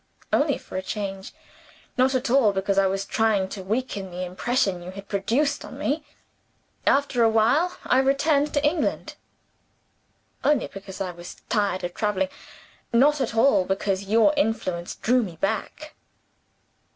Only for a change not at all because I was trying to weaken the impression you had produced on me! After a while I returned to England. Only because I was tired of traveling not at all because your influence drew me back!